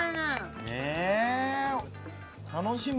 楽しみ！